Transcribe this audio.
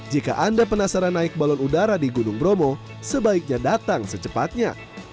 jika anda penasaran naik balon udara di gunung bromo sebaiknya datang secepatnya